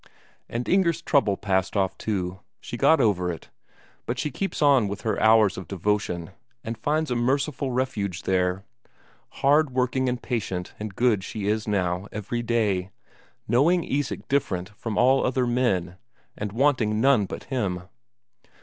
And Inger's trouble passed off too; she got over it, but she keeps on with her hours of devotion, and finds a merciful refuge there. Hard working and patient and good she is now every day, knowing Isak different from all other men, and wanting none but him.